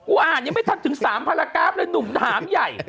ก็อ่านยังไม่ทักถึงสามพลากราฟเลยหนุ่มถามใหญ่